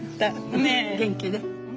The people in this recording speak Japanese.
ねえ元気で。